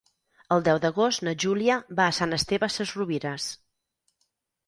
El deu d'agost na Júlia va a Sant Esteve Sesrovires.